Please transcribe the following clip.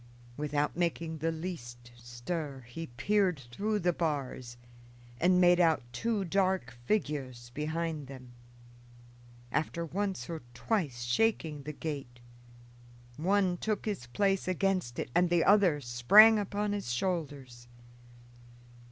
Without making the least stir he peered through the bars and made out two dark figures behind them. After once or twice shaking the gate, one took his place against it and the other sprang upon his shoulders.